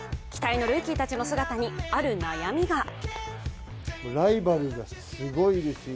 期待のルーキーたちの姿にある悩みが。